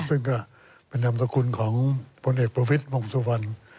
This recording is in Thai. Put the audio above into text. ซึ่งก็เป็นอำตคุณของผู้เอกประพฤติห้องสุวรรณ